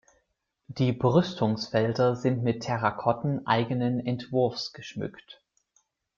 Die Brüstungsfelder sind mit Terrakotten eigenen Entwurfs geschmückt.